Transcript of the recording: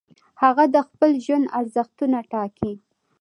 هغه د خپل ژوند ارزښتونه ټاکي.